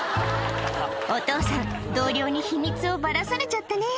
お父さん同僚に秘密をバラされちゃったね